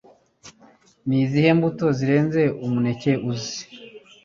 Nizihe mbuto Zirenze Umuneke uzi